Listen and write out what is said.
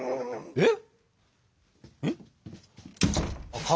えっ？